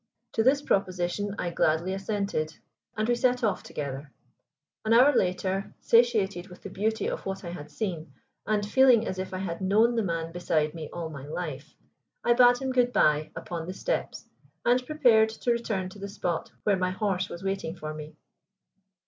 To this proposition I gladly assented, and we set off together. An hour later, satiated with the beauty of what I had seen, and feeling as if I had known the man beside me all my life, I bade him good bye upon the steps and prepared to return to the spot where my horse was waiting for me.